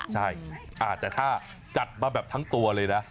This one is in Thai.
ใช่แต่ถ้าจัดมาแบบทั้งตัวเลยนะ